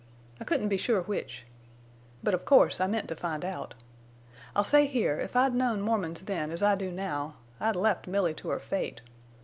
I couldn't be sure which. But, of course, I meant to find out. I'll say here, if I'd known Mormons then as I do now I'd left Milly to her fate.